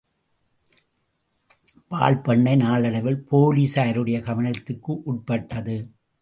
பால் பண்னை நாளடைவில் போலிஸாருடைய கவனத்திற்குட்பட்டது.